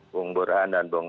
bung burhan dan bung